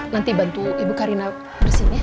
nanti bantu ibu karina bersihin ya